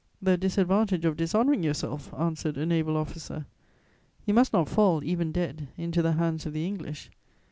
"The disadvantage of dishonouring yourself," answered a naval officer; "you must not fall, even dead, into the hands of the English.